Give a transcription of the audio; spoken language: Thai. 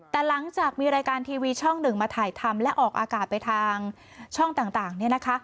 แต่หลังจากมีรายการทีวีช่องหนึ่งมาถ่ายทำและออกอากาศไปทางช่องต่างเนี่ยนะคะ